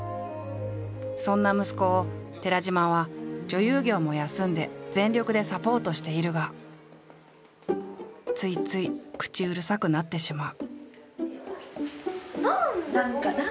そんな息子を寺島は女優業も休んで全力でサポートしているがついつい口うるさくなってしまう。